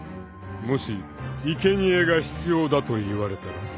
［もしいけにえが必要だと言われたら？］